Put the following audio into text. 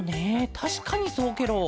たしかにそうケロ。